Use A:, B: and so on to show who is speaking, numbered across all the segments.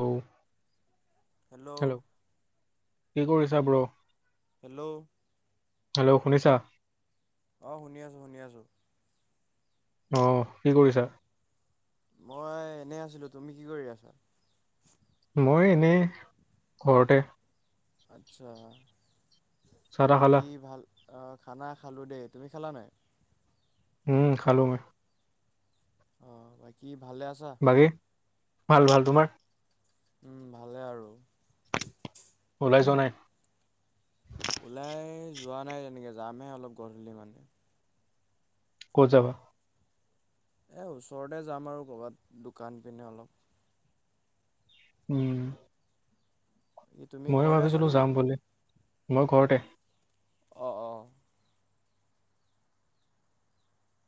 A: Hello
B: hello!
A: কি কৰিছা bro?
B: Hello!
A: Hello! শুনিছা?
B: অ', শুনি আছোঁ, শুনি আছোঁ।
A: অ', কি কৰিছা?
B: মই এনেই আছিলোঁ, তুমি কি কৰি আছা?
A: মই এনেই, ঘৰতে।
B: আচ্ছা।
A: চাহ তাহ খালা
B: বাকী ভাল অ খানা খালো দেই তুমি খালা নাই?
A: উম খালো মই।
B: অ, বাকী ভালে আছা?
A: বাকী ভাল ভাল, তোমাৰ?
B: উম ভালে আৰু।
A: ওলাই যোৱা নাই।
B: ওলাই যোৱা নাই তেনেকে যামহে অলপ গধূলি মানে।
A: ক'ত যাবা?
B: এ ওচৰতে যাম আৰু ক'ৰবাত দোকান পিনে অলপ।
A: উম।
B: কি তুমি
A: ময়ো
B: ঘৰতে আছা
A: ভাবিছিলো
B: নেকি?
A: যাম বুলি। মই ঘৰতে।
B: অঁ অঁ।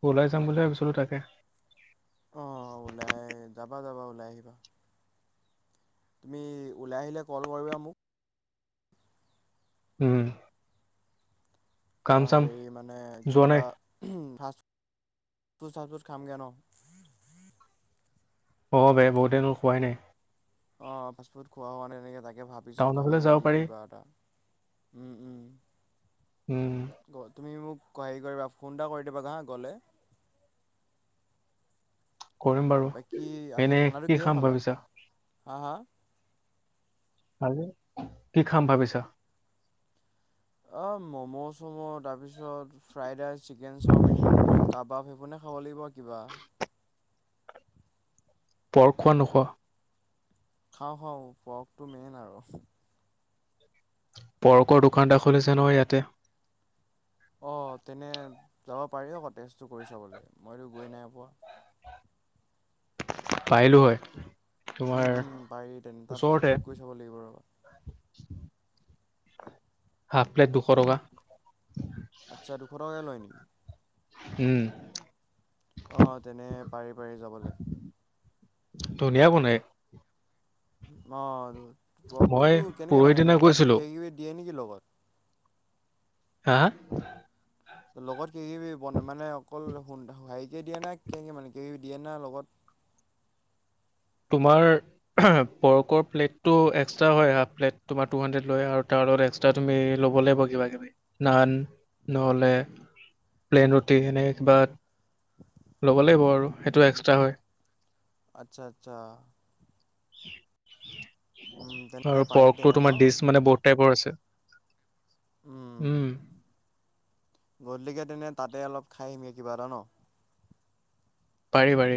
A: ওলাই যাম বুলি ভাবিছিলো তাকে।
B: অ ওলাই যাবা যাবা ওলাই আহিবা। তুমি ওলাই আহিলে কল কৰিবা মোক।
A: উম।
B: অ'
A: কাম চাম
B: হেৰি মানে
A: যোৱা
B: কিবা
A: নাই
B: এটা ফা- ফুদ চাচ-ফুদ খামগে ন'?
A: অ' বে, বহুত দিনো খোৱাই নাই।
B: অ' ফাষ্টফুড খোৱা হোৱা নাই তেনেক। তাকে ভাবিছোঁ
A: টাউনৰ ফালে
B: খামে
A: যাব
B: বুলি
A: পাৰি
B: কিবা এটা। উম - উম।
A: উম
B: তুমি মোক হেৰি কৰিবা, ফোন এটা কৰি দিবা হা, গ'লে।
A: কৰিম বাৰু।
B: বাকী আজি
A: এনে
B: খানাটো
A: কি
B: কিহে
A: খাম
B: খালা
A: ভাবিছা?
B: হা হা
A: কি খাম ভাবিছা?
B: অ ম'ম' চম' তাৰপিছত fried rice chicken chowmein, kebab ভোনে খাব লাগিব কিবা
A: পৰ খোৱা নোখোৱা
B: খাওঁ খাওঁ ফৰটো মেইন আৰু
A: পৰ্কৰ দোকান এটা খুলিছে ন ইয়াতে
B: অ তেনে যাব পাৰি আকৌ তেজটো কৰি চাবলে মইতো গৈ নাই পোৱা
A: পাৰলো হয় তোমাৰ
B: উম উম পাৰি তেনে তাত
A: ওচৰতে
B: গৈ চাব লাগিব ৰবা।
A: [inaudible] হাফ প্লেট দুশ টকা।
B: আচ্ছা দুশ টকাকৈ লয় নেকি
A: উম।
B: অ তেনে পাৰি পাৰি যাবলে।
A: ধুনীয়া বনাই।
B: অ
A: মই
B: ৰসটোতো কেনেকে
A: পৰহি
B: মানে
A: দিনা
B: তাত
A: গৈছিলোঁ।
B: কিবা কিবি দিয়ে নেকি ল গত?
A: হা?
B: লগত কিবা কিবি বন মানে অকল [unintelligible] হাৰি কে দিয়া নে কেনেকে মানে কিবা কিবি দিয়ে না লগত?
A: তোমাৰ পৰ্কৰ প্লেটটো এক্সট্ৰা হয় হাফ প্লেট তোমাৰ টু হাণ্ড্ৰেড লয়, আৰু তাৰ লগত এক্সট্ৰা তুমি ল'ব লাগিব কিবা কিবি, নান নহ'লে প্লেইন ৰুটি এনে কিবা ল'ব লাগিব আৰু সেইটো এক্সট্ৰা হয়।
B: আচ্ছা আচ্ছা। উম
A: [inaudible]
B: তেনে
A: আৰু
B: পাৰি
A: পৰ্কটো
B: তেনে ন
A: তোমাৰ ডিচ মানে বহুত টাইপৰ আছে। [unintelligible]
B: উম গোধিলিকে তেনে তাতে অলপ খাই আহিমগে কিবা এটা ন।
A: পাৰি পাৰি।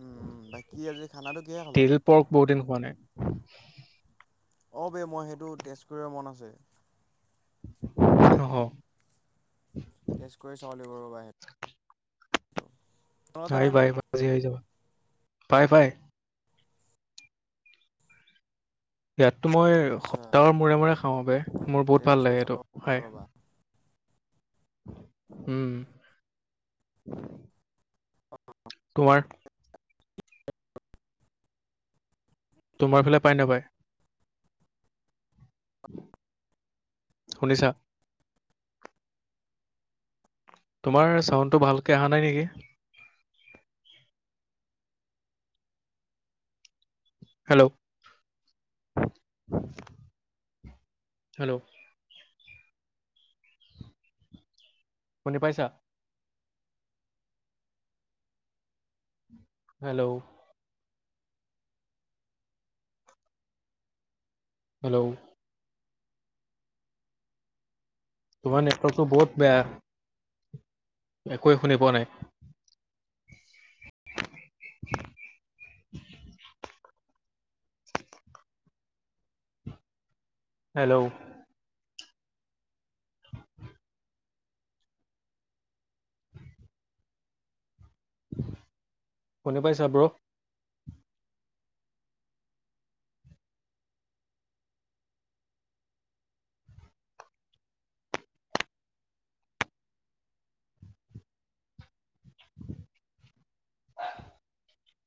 B: উম উম বাকী আজি খানাটো কিহে খালা?
A: তিল পৰ্ক বহুত দিন খোৱা নাই। [unintelligible]
B: অ', বে মই সেইটো তেছ কৰিব মন আছে।
A: অহ'।
B: টেষ্ট [unintelligible] তোমালোকৰ তাত পাই
A: আহিবা
B: নাই?
A: আহিবা আজি আহি যাব। পাই পাই। তাত টো মই
B: আচ্ছা
A: সপ্তাহৰ মূৰে মূৰে খাওঁ বে মোৰ বহুত ভাল
B: টেষ্ট কৰি
A: লাগে
B: চাব
A: এইটো
B: লাগিব
A: খাই।
B: ৰ'বা।
A: উম।
B: অ'।
A: [unintelligible] তোমাৰ ফালে পাই নাপাই। শুনিছা। তোমাৰ চাউণ্ডটো ভালকে অহা নাই নেকি? Hello hello. শুনি পাইছা। হেল্ল'। হেল্ল'। তোমাৰ নেটৱৰ্কটো বহুত বেয়া একোৱে শুনি পোৱা নাই। হেল্ল'। খিনি পাইছা ব্ৰ।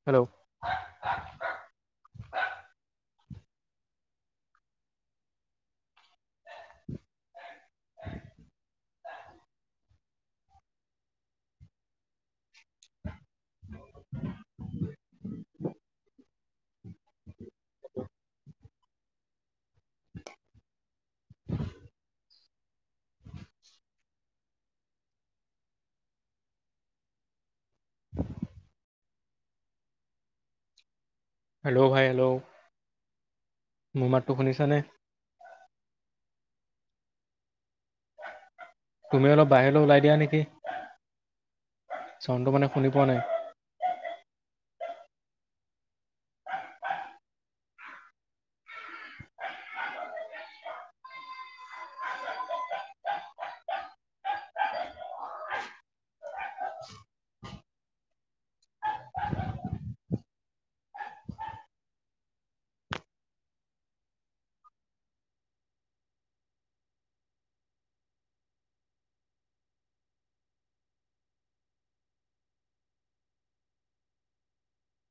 A: হেল্ল'। [inaudible] [inaudible] হেল্ল' ভাই হেল্ল'। মোৰ মাতটো শুনিছানে। তুমি অলপ বাহিৰলৈ ওলাই দিয়া নেকি চাউণ্ড মানে শুনি পোৱা নাই।